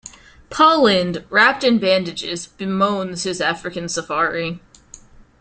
Paul Lynde, wrapped in bandages, bemoans his African safari.